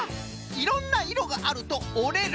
「いろんないろがある」と「おれる」。